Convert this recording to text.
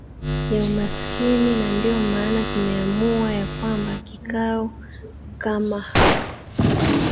ya umaskini na ndiyo maana tumeamua ya kwamba kikao kama hi